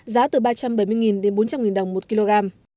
giá từ ba trăm bảy mươi đến bốn trăm linh đồng một kg